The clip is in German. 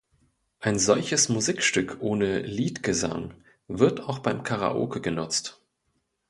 Ein solches Musikstück ohne Lead-Gesang wird auch beim Karaoke genutzt.